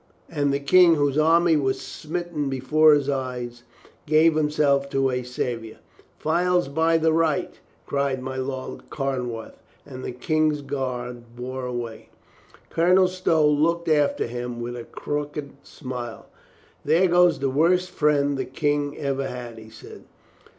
and the King, whose army was smitten be fore his eyes, gave himself to a savior. "Files by the right!" cried my Lord Carnwath, and the King's guard bore him away. Colonel Stow looked after him with a crooked smile. "There goes the worst friend the King ever had," he said.